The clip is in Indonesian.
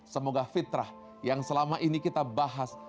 semoga fitrah yang selama ini kita bahas